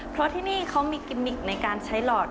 เพราะที่นี่เขามีกิมมิกในการใช้หลอด